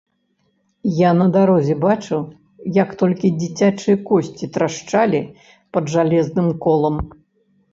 Я на дарозе бачыў, як толькі дзіцячыя косці трашчалі пад жалезным колам.